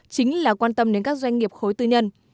chính là quan tâm đến các doanh nghiệp khối tư nhân